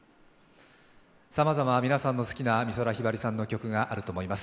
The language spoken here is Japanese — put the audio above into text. さまざま、皆さんの好きな美空ひばりさんの曲があると思います。